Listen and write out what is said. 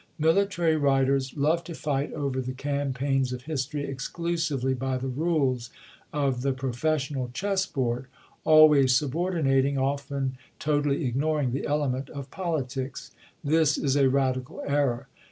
Military writers love to fight over the campaigns of history exclusively by the rules of the professional chess board, always subordinating, often totally ignoring, the element of politics. This is a radical error.